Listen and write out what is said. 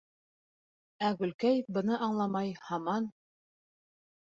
Ә Гөлкәй, быны аңламай, һаман: